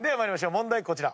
問題こちら。